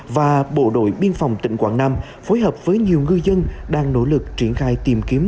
và bộ đội biên phòng tỉnh quảng nam phối hợp với nhiều ngư dân đang nỗ lực triển khai tìm kiếm